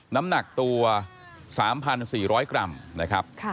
น้ำหนักตัว๓๔๐๐กรัมนะครับ